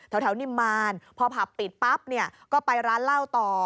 แถวนิมมาลพอผับปิดปั๊บก็ไปร้านเหล้าต่อ